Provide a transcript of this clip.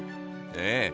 ええ。